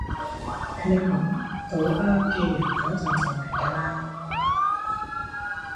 你搵到啱嘅人嗰陣就明㗎喇